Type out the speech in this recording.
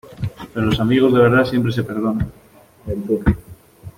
pero los amigos de verdad siempre se perdonan